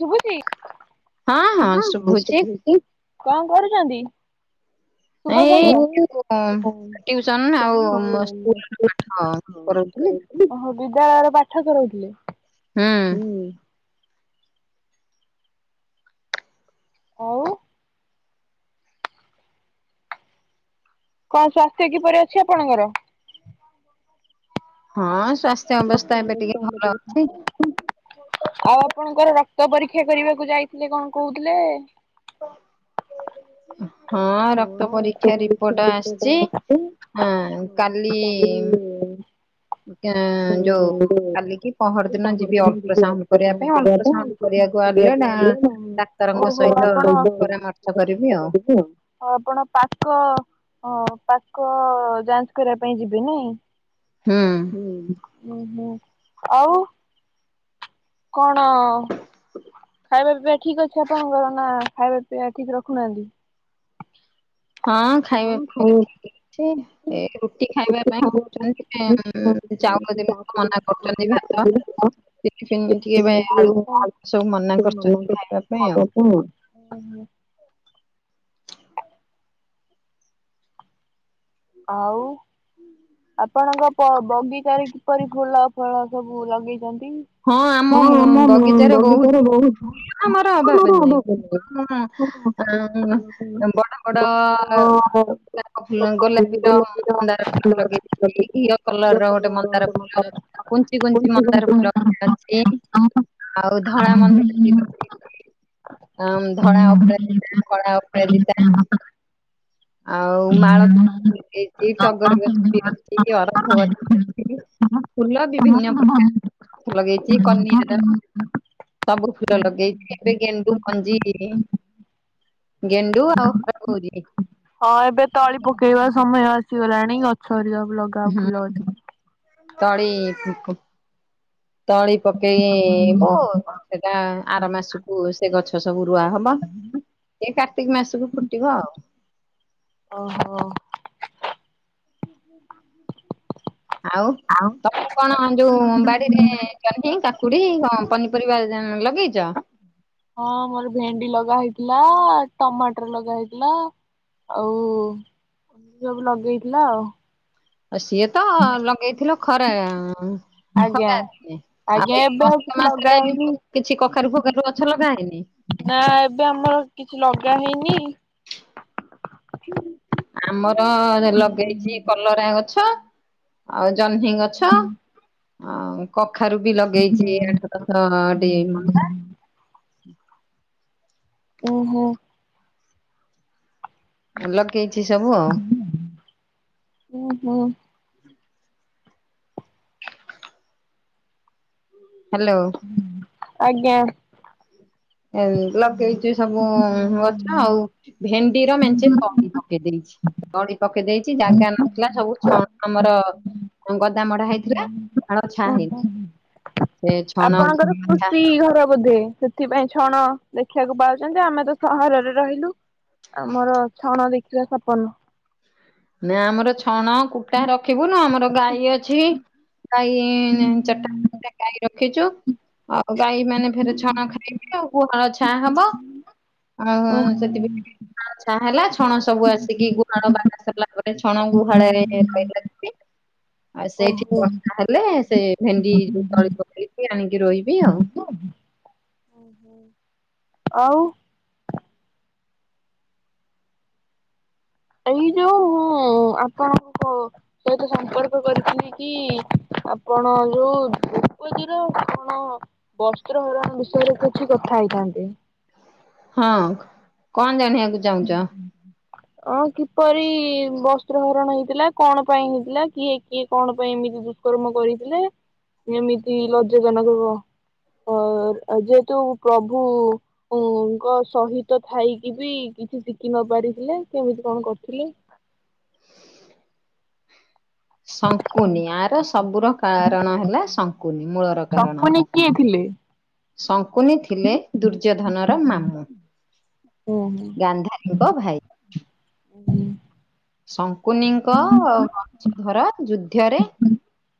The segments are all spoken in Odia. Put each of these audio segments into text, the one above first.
ଶଭୁଚି ହଁ ହଁ ଶୁଭୁଚି କଣ କରୁଛନ୍ତି? ଏଇ ସୁୁଭ [unintelligible] ଟିଉସନ ଆଉ ମୋ ହଉ ସ୍କୁଲ [unintelligible] ହଁ କରଉଥିଲି ଓହୋ ବିଦ୍ୟାଳୟରେ ପାଠପଢଉଥିଲେ ହୁଁ। ଆଉ କଣ ସ୍ୱାସ୍ଥ୍ୟ କିପରି ଅଛି ଆପଣଙ୍କର? ହଁ ସ୍ୱାସ୍ଥ୍ୟ ଅବସ୍ଥା ଏବେ ଟିକେ ଭଲ ଅଛି। ଆଉ ଆପଣଙ୍କର ରକ୍ତ ପରୀକ୍ଷା କରିବାକୁ ଯାଇଥିଲେ କଣ କହୁଥିଲେ ହଁ ରକ୍ତ ପରୀକ୍ଷା ରିପୋର୍ଟ ଆସଛି ହଁ କାଲି ଇ ଗାଁ ଯୋଉ କାଲିକି ପହର ଦିନ ଯିବି ଅଲଟ୍ରାସାଉଣ୍ଡ କରିବା ପାଇଁ ଡାକ୍ତରଙ୍କ ଅଲଟ୍ରାସାଉଣ୍ଡ କରିବାକୁ ସହିତ ଆଣିଲେ ଯିବି [unintelligible] ଆଉ। ଡ଼ାକ୍ତରଙ୍କ ସହିତ ପରାମର୍ଶ କରିବି ଆଉ। [unintelligible] ଆଉ ଆପଣ ପାଖ ହଁ ପାକ ଅ ଯାଞ୍ଚ୍ କରିବା ପାଇଁ ଯିବେ ନାଇଁ? ହୁଁ। [unintelligible] ଆଉ କଣ ଅ ଖାଇବା ପିଇବା ଠିକ୍ ଅଛି ଆପଣଙ୍କର ନା ଖାଇବା ପିଇବା ଠିକ୍ ରଖୁନାହାନ୍ତି? ହଁ ଖାଇବା ପିଇବା ଠିକ୍ ଅଛି। ଅଛି ଏ ରୁଟି ଖାଇବା ପାଇଁ କହୁଛନ୍ତି ଚାଉ [unintelligible] ମନା କରିଚନ୍ତି ଭାତ ଆଳୁ ସବୁ ମନା କରୁଛନ୍ତି ଖାଇବା ପାଇଁ ଆଉ। ଓହୋ ଆଉ ଆପଣଙ୍କ ବ ବଗିଚାରେ କିପରି ଫୁଲ ଫଳ ସବୁ ଲଗେଇଛନ୍ତି? ହଁ ଆମ ବଗିଚାରେ ବହୁତ୍ ଫୁଲ ଆମର ଅଭାବ ନାହିଁ। ହଁ ବଡ଼ ବଡ଼ ଆ ଫୁଲ ଗୋଲାବୀର ମନ୍ଦାର ଫୁଲ ଲଗେଇଛି ଘିଅ କଲର ର ଗୋଟେ ମନ୍ଦାର ଫୁଲ କୁଞ୍ଚି କୁଞ୍ଚି ମନ୍ଦର ଫୁଲ ଗୋଟେ ଅଛି ଆଉ ଧଳା ମନ୍ଦିର ବି ଲଗେଇଛି। ହଁ ଧଳା ମୋର ଅପରାଜିତା କଳା ହଁ ଅପରାଜିତା ଆଉ ମାଳ ଏଇଟି ଟଗର ଗଛ ବି ଅଛି ଅରଖ ଗଛ ଅଛି। ଏବେ ଫୁଲ ବିଭିନ୍ନ ପ୍ରକାର ଲଗେଇଛି କନିଅର ସବୁ ଫୁଲ ଲଗେଇଛି ଏବେ ଗେଣ୍ଡୁ ମଞ୍ଜି ଗେଣ୍ଡୁ ଆଉ ହଁ ଏବେ ତଳି ପକେଇବା ସମୟ ଆସିଗଲାଣି ଗଛ ହେରିକା ବା ଲଗେଇ ଫୁଲ ହୁଁ ଗଛ ଲଗାଇବା। ତଳି ତଳି ପକେଇ ବୁ। ସେଟା ଆର ମାସକୁ ସେ ଗଛ ସବୁ ରୁଆ ହବ। ଏ କାର୍ତ୍ତିକ୍ ମାସକୁ ଫୁଟିବ ଆଉ। ଓହୋ। ଆଉ ତମୁକୁ କଣ ଯୋଉ ବାଡିରେ ଚହ୍ନି କାକୁଡି ପନିପରିବା ଲଗେଇଛ। ହଁ ମୋର ଭେଣ୍ଡି ଲଗା ହେଇଥିଲା ଟମାଟର ଲଗା ହେଇଥିଲା। ଆଉ ସବୁ ଲଗେଇଥିଲା ଆଉ। ଆଉ ସିଏ ତ ଲଗେଇଥିଲ ଖରା ଆଜ୍ଞା ଖରା ଦିନେ ଆଜ୍ଞା ଆଉ ଏଇ ଏବେ କିଛି କର୍ତ୍ତିକ ଲଗା ମାସରେ ହେଇନି। କିଛି କଖାରୁ ଫକାରୁ ଗଛ ଲଗାହେଇନି? ନା ଏବେ ଆମର କିଛି ଲଗା ହେଇନି। ଆମର ଲଗେଇଛି କଲରା ଗଛ ଆଉ ଜହ୍ନି ଗଛ ଆଉ କଖାରୁ ବି ଲଗେଇଛି ଆଠ ଦଶ ଟି ମନ୍ଦା ଓ ହୋ ଲଗେଇଛି ସବୁ ଆଉ। ଓ ହୋ। ହ୍ୟାଲୋ। ଆଜ୍ଞା। ଏ ଲଗେଇଛୁ ସବୁ ଗଛ ଆଉ ଭେଣ୍ଡିର ମେଞ୍ଚେ କ ପକେଇ ଦେଇଛି ତଳି ପକେଇ ଦେଇଛି ଜାଗା ନଥିଲା ସବୁ ଛଣ ଆମର ଗ ଲତା ମଡା ହେଇଥିଲା ଆଉ ଛା ହେଇଛି। ଆପଣଙ୍କର କୃଷି ଘର ବୋଧେ? ଏଥିପାଇଁ ଛଣ ଦେଖିବାକୁ ପାଉଛନ୍ତି ଆମେ ତ ସହରରେ ରହିଲୁ ଆମର ଛଣ ଦେଖି ଛଆ ସପନ। ନା ଆମର ଛଣ କୁଟା ରଖିବୁନା ଆମର ଗାଈ ଅଛି। ଗାଈ ଚାରିଟା ଚାରିଟା ଗାଈ ରଖିଚୁ ଆଉ ଆଉ ଗାଈ ମାନେ ଫେର୍ ଛଣା ଖାଇବେ ଆଉ ଗୁହାଳ ଛାଁ ହବ ଆଉ ଓ ସେଥିପାଇଁ ଆଚଛା ହେଲା ଛଣ ସବୁ ଆସିକି ଗୁହାଳ ବାଘ [unintelligible] ଆଉ ସେଇଠି ଓହୋ ବର୍ଷା ହେଲେ ସେ ଭେଣ୍ଡି ଯଉ ତଳି ପକେଇଚି ଆଣିକି ରୋଇବି ଆଉ। ଆଉ ଏଇ ଯଉ ଆପଣଙ୍କୁ ସହିତ ସମ୍ପର୍କ କରିଥିଲି କି ଆପଣ ଯଉ ଦ୍ରୋପତି ର କଣ ବସ୍ତ୍ର ହରଣ ବିଷୟରେ କିଛି କଥା ହେଇଥାନ୍ତେ। ହଁ କଣ୍ ଜାଣିବାକୁ ଚାହୁଁଚ? ଅଁ- କିପରି ବସ୍ତ୍ର ହରଣ ହେଇଥିଲା କଣ ପାଇଁ ହେଇଥିଲା କିଏ କିଏ କଣ ପାଇଁ ଏମିତି କର୍ମ କରିଥିଲେ ଏମିତି ଲଜ୍ଜାଜନକ ବ ଅ- ଯେହେତୁ ପ୍ରଭୁ ଭୁଙ୍କ ସହିତ ଥାଇକି ବି କିଛି ଶିକି ନପାରିଥିଲେ କେମିତି କଣ କରିଥିଲେ? ଶଙ୍କୁନି ଆର ସବୁର କାରଣ ହେଲା ଶଙ୍କୁନି ମୂଳ ସକୁନି କିଏ ଥିଲେ? ଶଙ୍କୁନୀ ଥିଲେ ଦୁର୍ଯ୍ୟୋଧନର ମାମୁଁ ଗାନ୍ଧାରୀ ଙ୍କ ଭାଇ। ଶଙ୍କୁନିଙ୍କ ବଂଶଧର ଯୁଦ୍ଧରେ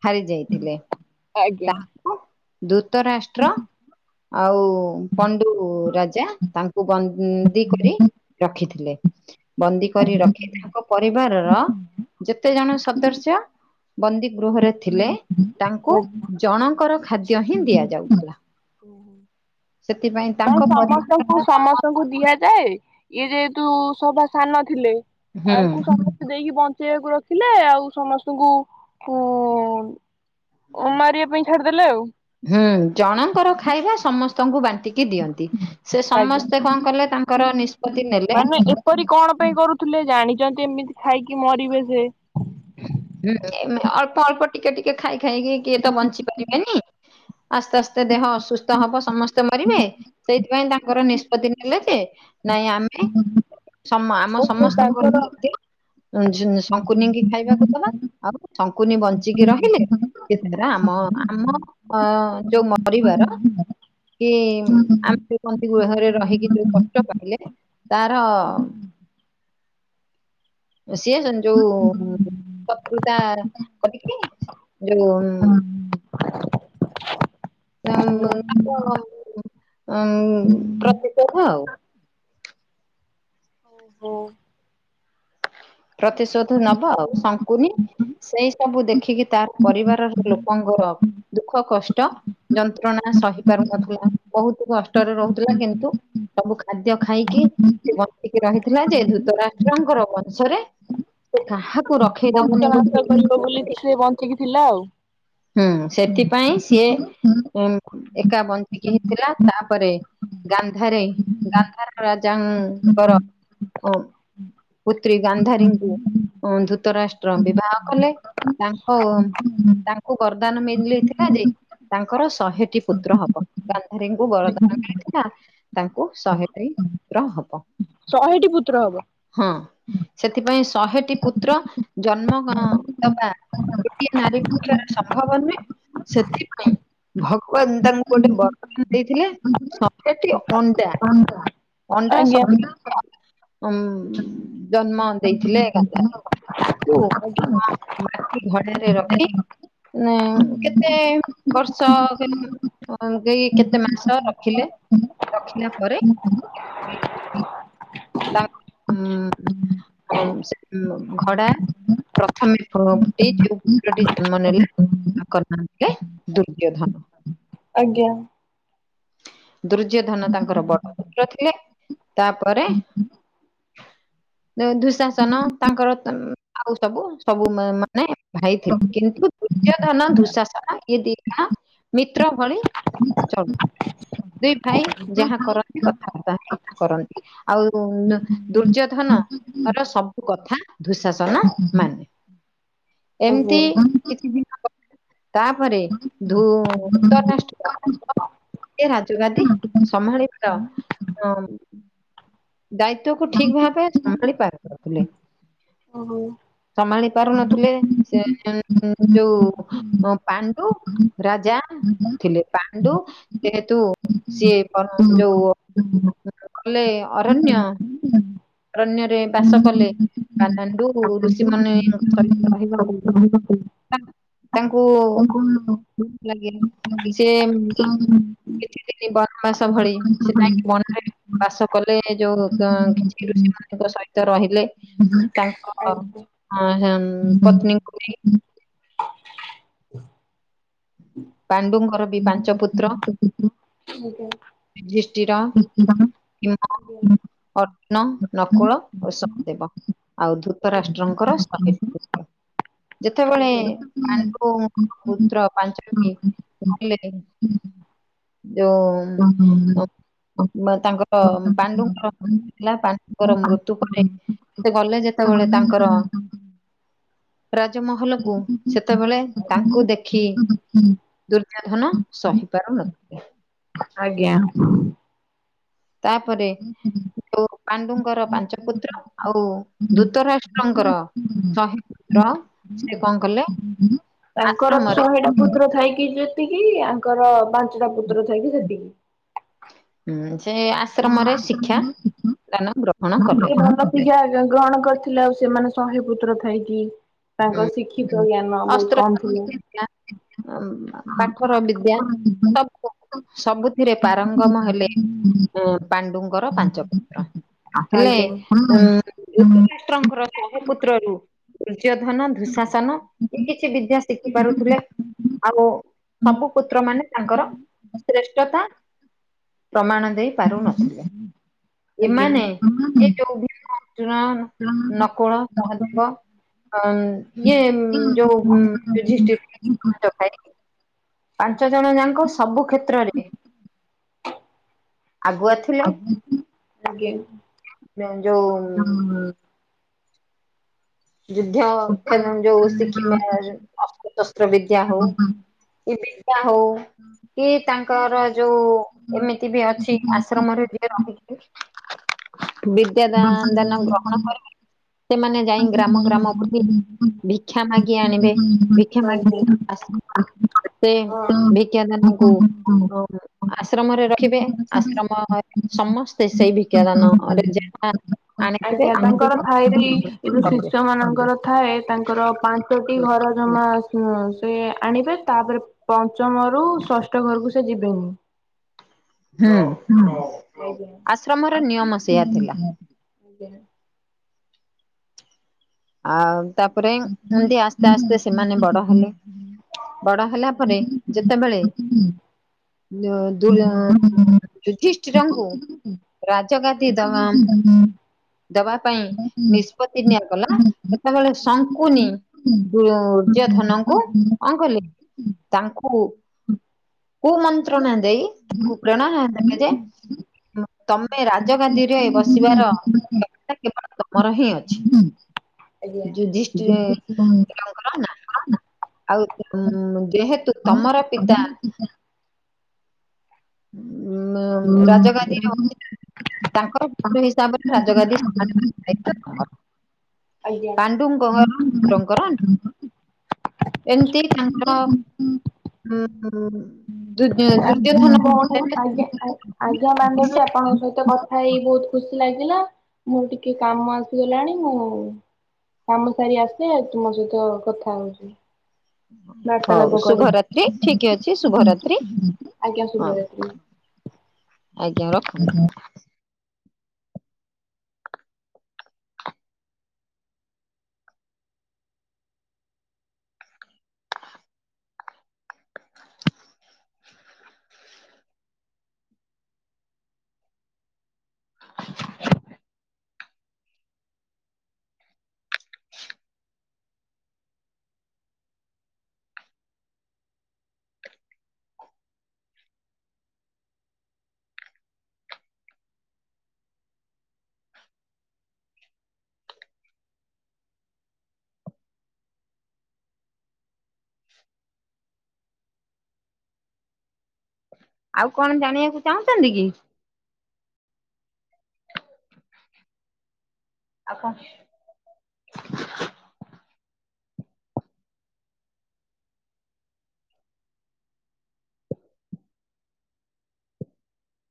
ହାରି ଯାଇଥିଲେ ଆଜ୍ଞା। ଦୂତରାଷ୍ଟ୍ର ଆଉ ପଣ୍ଡୁ ରାଜା ତାଙ୍କୁ ବ-ନ୍ଦୀ କରି ରଖିଥିଲେ। ବନ୍ଦୀ କରି ରଖି ତାଙ୍କ ପରିବାରର ଯେତେ ଜଣ ସଦ୍ୟସ ବନ୍ଦୀ ଗୃହରେ ଥିଲେ ତାଙ୍କୁ ଜଣଙ୍କର ଖାଦ୍ୟ ହିଁ ଦିଆଯାଉଥିଲା। ସେଥିପାଇଁ ତାଙ୍କ ପରିବାର ଙ୍କୁ ଦିଆଯାଏ ଇଏ ଯେହେତୁ ସଭା ସାନ ଥିଲେ ହୁଁ ତାଙ୍କୁ ସମସ୍ତେ ଦେଇକି ବଞ୍ଚ୍ ବଞ୍ଚେଇ ବାକୁ ରଖିଲେ ଆଉ ସମସ୍ତଙ୍କୁ କୁ ଓ ମାରିବା ପାଇଁ ଛାଡିଦେଲେ ଆଉ। ହୁଁ ଜଣଙ୍କର ଖାଇବା ସମସ୍ତଙ୍କୁ ବାଣ୍ଟି କି ଦିଅନ୍ତି ସେ ଆଜ୍ଞା ସମସ୍ତେ କଣ କଲେ ତାଙ୍କର ନିଷ୍ପତ୍ତି ନେଲେ ମାନେ ଏପରି କଣ ପାଇଁ କରୁଥିଲେ ଜାଣିଚନ୍ତି ଏମିତି ଖାଇକି ମରିବେ ସେ ଉଁ -ଏ-ଅଳ୍ପ ଅଳ୍ପ ଟିକେ ଟିକେ ଖାଇ ଖାଇକି କିଏ ତ ବଞ୍ଚି ପାରିବେନି ଆସ୍ତେ ଆସ୍ତେ ଦେହ ଅସୁସ୍ଥ ହବ ସମସ୍ତେ ମରିବେ ସେଇଥିପାଇଁ ତାଙ୍କର ନିଷ୍ପତ୍ତି ନେଲେ ଯେ ନାଇଁ ଆମ୍ଭେ ସମା- ଆମ ଓହୋ ସମସ୍ତଙ୍କର ଯେତେ ଶଙ୍କୁନିଙ୍କି ଖାଇବାକୁ ଦବା ଆଉ ଶଙ୍କୁନି ବଞ୍ଚିକି ରହିଲେ ତାଙ୍କର ସେ ସେରା ଆମ- ଆମ ଅ- ଯଉ ମରିବାର କି ଆମେ ବନ୍ଦି ଗୃହରେ ରହିକି ଯଉ ଓହୋ କଷ୍ଟ ପାଇଲେ ତାର ସିଏ ଯଉ ଶତ୍ରୁତା କରିକି ଯଉ [unintelligible] ପ୍ରତିଶୋଧ ଆଉ। ଓ। ପ୍ରତିଶୋଧ ନବ ଆଉ ଶଙ୍କୁନି ସେଇ ସବୁ ଦେଖିକି ତା ପରିବାରର ଲୋକଙ୍କର ଦୁଃଖ କଷ୍ଟ ଯନ୍ତ୍ରଣା ସହି ପାରୁନଥିଲା ବହୁତୁ କଷ୍ଟରେ ରହୁଥିଲା କିନ୍ତୁ ସବୁ ଖାଦ୍ୟ ଖାଇକି ସେ ବଞ୍ଚିକି ରହିଥିଲା ଯେ ଧୂତ ରାଷ୍ଟ୍ରଙ୍କର ବ ଷରେ। କାହାକୁ ର ବଂଶ ଘାତ କରିବ ବୋଲିକି ସିଏ ବଞ୍ଚିଇକି ଥିଲା ଆଉ। ହୁଁ ସେଥିପାଇଁ ସିଏ ଏକା ବଞ୍ଚିକି ଥିଲା ତାପରେ ଗାନ୍ଧାରୀ ଗାନ୍ଧାର ରାଜାଙ୍କର ପୁତ୍ରୀ ଗାନ୍ଧାରୀଙ୍କୁ ଧୂତରାଷ୍ଟ୍ର ବିବାହ କଲେ ତାଙ୍କୁ [unintelligible] ତାଙ୍କୁ ବରଦାନ ମିଳିଯାଇଥିଲା ଯେ ତାଙ୍କର ଶହେଟି ପୁତ୍ର ହବ, ଗାନ୍ଧାରୀଙ୍କୁ ବରଦାନ ମିଳିଥିଲା ତାଙ୍କୁ ଶହେ ପାଇଁ ପୁତ୍ର ହବ। ଶହେଟି ପୁତ୍ର ହବ। ହଁ। ସେଥିପାଇଁ ଶହେଟି ପୁତ୍ର ଜନ୍ମ ଦବା ଗୋଟିଏ ନାରୀ ପକ୍ଷରେ ସମ୍ଭବ ନୁହେଁ। ସେଥିପାଇଁ ଭଗବାନ ତାଙ୍କୁ ଗୋଟେ ବରଦାନ୍ ଦେଇଥିଲେ। ଶହେଟି ଅଣ୍ଡା ଅଣ୍ଡା ସ ଆଜ୍ଞା। ଉ ଜନ୍ମ ଦେଇଥିଲେ ଗାନ୍ଧାରୀ ତାକୁ ଆଜ୍ଞା। ହଁ। ମାଟି ଘଡାରେ ରଖି ହୁଁ କେତେ ବର୍ଷ ହଁ କେହି କେତେ ମାସ ରଖିଲେ ରଖିଲା ପରେ ତା ହଁ ସେ ଖଡା ପ୍ରଥମେ ଫୁଟି ଯେଉଁ ପୁତ୍ରଟି ଜନ୍ମ ନେଲେ ତାଙ୍କର ନା ଦେଲେ ଦୁର୍ଯ୍ୟଧନ। ଆଜ୍ଞା। ଦୁର୍ଯ୍ୟୋଧନ ତାଙ୍କର ବଡ ତ୍ର ଥିଲେ ତାପରେ ଯୋଉ ଧୁଶାସନ ତାଙ୍କର ତମ୍ ଆଉ ତାକୁ ସବୁ ମାନେ ଭାଇଥିଲେ କିନ୍ତୁ ଦୁର୍ଯ୍ୟୋଧନ ଦୁଃଶାସନ ଇଏ ଦି ଜଣ ମିତ୍ର ଭଳି ସବୁ। ଦୁଇ ଭାଇ ଯାହା କରନ୍ତି କଥାବାର୍ତ୍ତା ହେଇ କରନ୍ତି ଆଉ ଉ ଦୁର୍ଯ୍ୟୋଧନ ର ସବୁ କଥା ଦୁଶାସନ ମାନେ। ଏମ୍ତି ଓହୋ। କିଛି ଦିନ ତାପରେ ଧୁତରାଷ୍ଟ୍ର ଏ ରାଜଗାଦି ସମ୍ଭାଳିବାର ଦାୟିତ୍ଵକୁ ଠିକ୍ ଭାବେ ସମ୍ଭାଳି ପାରୁନଥିଲେ। ଓହୋ। ସମ୍ଭାଳି ପାରୁନଥିଲେ, ସେ ଯୋଉ ପାଣ୍ଡୁ ରାଜା ଥିଲେ, ପାଣ୍ଡୁ ଯେହେତୁ ସିଏ ଯୋଉ ଗଲେ ଅରଣ୍ୟ ଅରଣ୍ୟରେ ବାସ କଲେ ପାଣ୍ଡୁ ଋଷି ମୁନି ରହିବ [unintelligible] ତାଙ୍କୁ ଭଲ ଲାଗେ, ସିଏ କିଛି ଦିନ ଆଜ୍ଞା। ବନବାସ ଭଳି ଆଜ୍ଞା। ସେ ଯାଇକ ବନରେ ବାସ କଲେ ଯୋଉ କଁ ସେ ଋଷି ମାନଙ୍କ ସହିତ ରହିଲେ ତାଙ୍କ ଆଜ୍ଞା। ପତ୍ନୀ [unintelligible] ପାଣ୍ଡୁଙ୍କର ବି ପାଞ୍ଚ ପୁତ୍ର। [unintelligible] [unintelligible] ଯୁଧିଷ୍ଟିର। [inaudible] ଭୀମ ଅର୍ଜୁନ ନକୁଳ ଓ ଶହଦେବ। ଆଉ ଧୂତ ରାଷ୍ଟ୍ରଙ୍କର ଶହେ। [unintelligible] ଯେତେବେଳେ ପାଣ୍ଡୁଙ୍କ ପୁତ୍ର ପାଞ୍ଚଟି [unintelligible] ଯଉ ତାଙ୍କର ପାଣ୍ଡୁଙ୍କର [unintelligible] ଥିଲା ପାଣ୍ଡୁଙ୍କର ମୃତ୍ୟୁ ପରେ। ସେ ଗଲେ ଯେତେବେଳେ ତାଙ୍କର। ରାଜମହଲକୁ ସେତେବେଳେ ତାଙ୍କୁ ଦେଖି ଦୁର୍ଯ୍ୟୋଧନ ସହିପାରୁନ ଆଜ୍ଞା। ତାପରେ। ଯୋଉ ପାଣ୍ଡୁଙ୍କର ପାଞ୍ଚ ପୁତ୍ର ଆଉ ଦୂତ ରାଷ୍ଟ୍ରଙ୍କର ଶହେ ପୁତ୍ର ସେ କଣ କଲେ। ତାଙ୍କର ଆଶ୍ରମରେ ଶହେଟା ପୁତ୍ର ଥାଇକି ଯେତିକି ଆଙ୍କର ପାଞ୍ଚଟା ପୁତ୍ର ଥାଇକି ସେତିକି। ହୁଁ ସେଆ [unintelligible] ଗ୍ରହଣ କଲେ ଶିକ୍ଷା ଗ୍ରହଣ କରିଥିଲେ ଆଉ ସେମାନେ ଶହେ ପୁତ୍ର ଥାଇକି ତାଙ୍କର ଶିଖିତ ଜ୍ଞାନ ବହୁତ କଣ ଥିଲା। ଆଃ ପାଠର ବିଦ୍ୟା ସବୁ ସବୁଥିରେ ପାରଙ୍ଗମ ହେଲେ। ପାଣ୍ଡୁଙ୍କର ପାଞ୍ଚ ପତ୍ର ଆଜ୍ଞା ହେଲେ ଉଁ ଆଜ୍ଞା। ପୁତ୍ରଙ୍କର ଶହେ ପୁତ୍ରରୁ ଦୁର୍ଯ୍ୟଧନ ଦୁଃଶାସନ କିଛି ବିଦ୍ୟା ଶିଖି ପାରୁଥିଲେ। ଆଉ ସବୁ ପୁତ୍ର ମାନେ ତାଙ୍କର ଶ୍ରେଷ୍ଠତା ପ୍ରମାଣ ଦେଇ ପାରୁନଥିଲେ ଏମାନେ ଏ ଯୋଉ ଭି ଭୀମ ଅର୍ଜୁନ ନକୁଳ ସହଦେବ ଅମ ଇଏ ଯୋଉ ଯୁଧିଷ୍ଠିର ର ଭାଇ ପାଞ୍ଚ ଜଣ ଯାକ ସବୁ କ୍ଷେତ୍ରରେ ଆଗୁଆ ଥିଲେ। [unintelligible] ଆଜ୍ଞା। ଯଉଁ। ଯୁଦ୍ଧ ଖେ ଯୋଉ ସିକିବା ଅସ୍ତ୍ରଶସ୍ତ୍ର ବିଦ୍ୟା ହଉ। ଏବି। ଦ୍ୟା ହଉ କି ତାଙ୍କର ଯୋଉ ଏମିତି ବି ଅଛି ଆଶ୍ରମରେ ବସେ ରହିକି ବିଦ୍ୟା ଦା ଦାନ ଗ୍ରହଣ କରେ ସେମାନେ ଯାଇ ଗ୍ରାମ ଗ୍ରାମ ବୁଲି ଭିକ୍ଷା ମାଗି ଆଣିବେ ଭିକ୍ଷା ମାଗ ଆସ ସେ ଭିକ୍ଷା ଦନାକୁ ଆଶ୍ରମରେ ରଖିବେ ଆଶ୍ରମ ସମସ୍ତେ ସେଇ ଭିକ୍ଷ୍ଯା ଦାନରେ ହଁ। [unintelligible] ଆଜ୍ଞା ତାଙ୍କର ଥାଏ ବି ଏ ଯୋଉ କରିବେ ଶିଷ୍ୟ ମାନଙ୍କର ଥାଏ ତାଙ୍କର ପାଞ୍ଚ ଞ୍ଚୋଟି ହୁଁ। ଘର ଜମା ସେ ଆଣିବେ ତାପରେ ପଞ୍ଚମରୁୁ ଷଷ୍ଠ ଘରକୁ ସେ ଯିବେନି। ହଁ ଆଜ୍ଞା ଆଶ୍ରମର ନିୟମ ସେଇଆ ଥିଲା [unintelligible] ଆଜ୍ଞା। ଆଉ ତାପରେ ଏମତି ଆସ୍ତେ ଆସ୍ତେ ସେମାନେ ବଡ ହେଲେ। ବଡ ହେଲା ପରେ ଯେତେବେଳେ ଯୋ ଦୁର୍ ଉ ଯୁଧିଷ୍ଟି ର ଙ୍କୁ ରାଜ ଗାଦି ଦବା। ଦେବା ପାଇଁ ନିଷ୍ପତ୍ତି ନିଆଗଲା ସେତେବେଲେ ଶଙ୍କୁନି ଦୂର୍ଯ୍ୟଧନଙ୍କୁ ଆଜ୍ଞା। କଣ କହିଲେ ତାଙ୍କୁ କୁ ମନ୍ତ୍ରଣା ଦେଇ ତାଙ୍କୁ ପ୍ରେରଣା ଦେଲେଯେ ତମେ ପାଇ ରାଜଗାଧିରେ ବସିବାର [unintelligible] କେବଳ ତମର ହିଁ ଅଛି। ଛି ଯୁଧିଷ୍ଠିର ଙ୍କର ନା ଆ ନା। ଆଉ ଯେହେତୁ ତମର ପିତା ଉ ରାଜ ଗାଦିରେ ବସିବା ତାଙ୍କ ପ ହିସାବରେ ରାଜଗାଦୀ ସମାଜ ଦାୟ। ପାଣ୍ଡୁଙ୍କର ପୁତ୍ରଙ୍କର। ଏମିତି ତାଙ୍କର ଉ- ଦୁଉ ଆଜ୍ଞା -ଦୁଯ୍ୟଧନ। ଭଉଣୀ ଆଜ୍ଞା ଆଜ୍ଞା ମ୍ୟାଏମ୍ ଯଦି ଆପଣଙ୍କ ସହିତକ। ଭାଇ ବହୁତ ଖୁସି ଲାଗିଲା ମୋର ଟିକେ କାମ ଆସିଗଲାଣି ମୁଁ। କାମ ସାରି ବା ପାଇ ଆଉ ତୁମ ସହିତ କଥା ହଉଚି। ହଉ ଶୁଭରାତ୍ରି ଠିକ ଅଛି ଶୁଭରାତ୍ରି।। ଆଜ୍ଞା ହଉ ଶୁଭରାତ୍ରୀ ଆଜ୍ଞା ରଖନ୍ତୁ। ଆଉ କଣ ଜାଣିବାକୁ ଚାହୁଁଛନ୍ତି କି। ଆଉ କଣ।